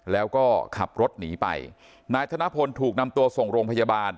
แล้วก็ขับรถหนีไปนายธนพลถูกนำตัวส่งโรงพยาบาล